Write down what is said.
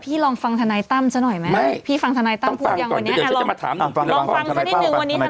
พี่ลองฟังธนัยตั้มจะหน่อยมั้ยพี่ฟังธนัยตั้มพูดอย่างวันนี้ลองฟังสักนิดหนึ่ง